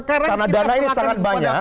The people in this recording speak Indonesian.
karena dana ini sangat banyak